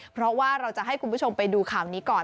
เพราะว่าเราจะให้คุณผู้ชมไปดูข่าวนี้ก่อน